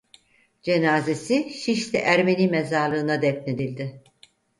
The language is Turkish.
Cenazesi Şişli Ermeni Mezarlığı'na defnedildi.